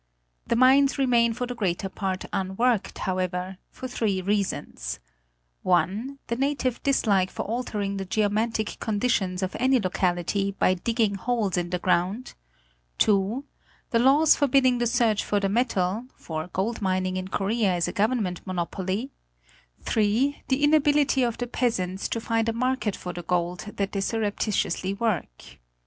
The mines remain for the greater part unworked, however, for three reasons: (1) the native dislike for altering the geomantic conditions of any locality by digging holes in the ground ; (2) the laws forbidding the search for the metal, for gold mining in Korea is a government monopoly ; (3) the in ability of the peasants to find a market for the gold that they surreptitiously work.